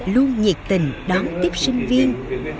luôn nhiệt tình đón tiếp sinh viên